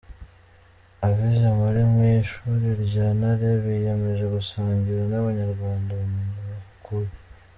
Abize muri Mw’ishuri Rya Ntare biyemeje gusangira n’Abanyarwanda ubumenyi bahakuye